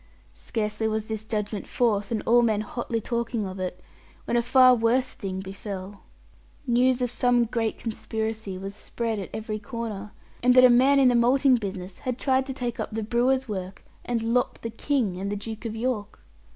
Scarcely was this judgment forth, and all men hotly talking of it, when a far worse thing befell. News of some great conspiracy was spread at every corner, and that a man in the malting business had tried to take up the brewer's work, and lop the King and the Duke of York.